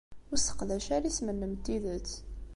Ur sseqdac ara isem-nnem n tidet.